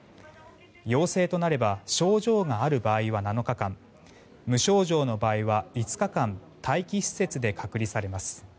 陽性となれば症状がある場合は７日間無症状の場合は５日間待機施設で隔離されます。